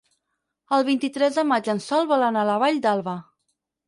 El vint-i-tres de maig en Sol vol anar a la Vall d'Alba.